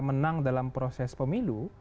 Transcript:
menang dalam proses pemilu